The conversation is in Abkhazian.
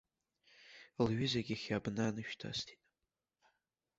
Лҩызагь иахьа абна анышә дасҭеит.